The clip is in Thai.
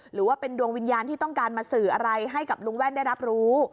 หรือว่าเป็นดวงวิญญาณที่ต้องการมาสื่ออะไรให้กับลุงแว่นได้รับรู้